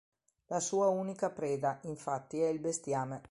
La sua unica preda, infatti, è il bestiame.